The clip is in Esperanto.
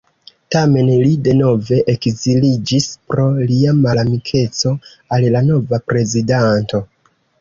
Tamen, li denove ekziliĝis pro lia malamikeco al la nova prezidanto.